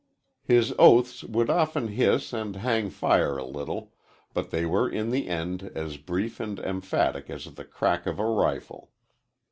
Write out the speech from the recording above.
His oaths would often hiss and hang fire a little, but they were in the end as brief and emphatic as the crack of a rifle.